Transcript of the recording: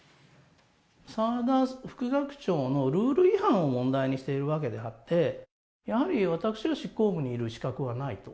澤田副学長のルール違反を問題にしているわけであって、やはり、私は執行部にいる資格はないと。